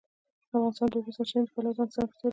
افغانستان د د اوبو سرچینې د پلوه ځانته ځانګړتیا لري.